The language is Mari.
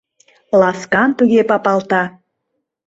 Ласкан туге папалта.